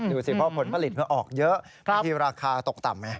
ดูสิพอผลผลิตออกเยอะแต่ที่ราคาตกต่ำ